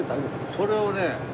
それをね